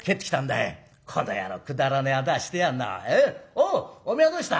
おうお前はどうした？」。